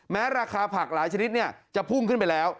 ราคาผักหลายชนิดจะพุ่งขึ้นไปแล้ว